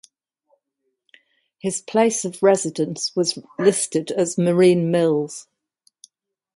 His place of residence was listed as Marine Mills.